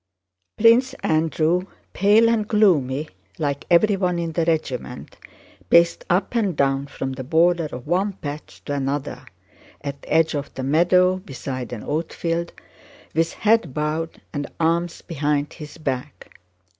Prince Andrew, pale and gloomy like everyone in the regiment, paced up and down from the border of one patch to another, at the edge of the meadow beside an oatfield, with head bowed and arms behind his back.